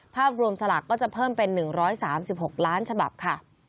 ภาพรวมสลากก็จะเพิ่มเป็น๑๓๖ล้านฉบับค่ะ